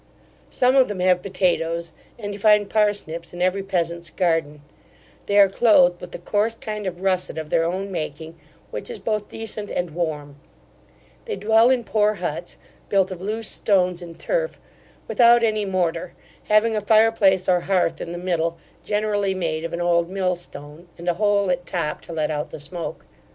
Some of them have potatoes; and you find parsnips in every peasant's garden They are cloathed with a coarse kind of russet of their own making, which is both decent and warm They dwell in poor huts, built of loose stones and turf, without any mortar, having a fireplace or hearth in the middle, generally made of an old mill stone, and a hole at top to let out the smoke.